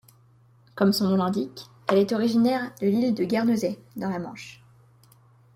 Comme son nom l'indique, elle est originaire de l'île de Guernesey dans la Manche.